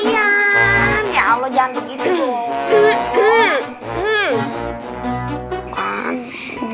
ya allah jangan begitu